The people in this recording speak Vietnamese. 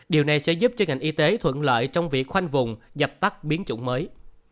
điều này sẽ giúp cho ngành y tế thuận lợi trong việc khoanh vùng dập tắt biến chủng mới